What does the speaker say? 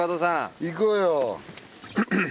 行こうよ。